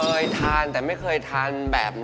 เคยทานแต่ไม่เคยทานแบบนั้น